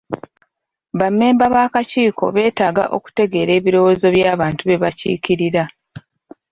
Bammemba b'akakiiko beetaaga okutegeera ebirowoozo by'abantu be bakiikirira